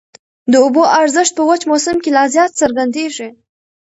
د اوبو ارزښت په وچ موسم کي لا زیات څرګندېږي.